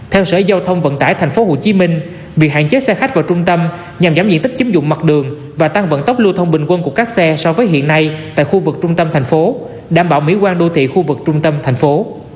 theo sở giao thông vận tải tp hcm việc hạn chế xe khách vào trung tâm nhằm giảm diện tích chiếm dụng mặt đường và tăng vận tốc lưu thông bình quân của các xe so với hiện nay tại khu vực trung tâm thành phố đảm bảo mỹ quan đô thị khu vực trung tâm thành phố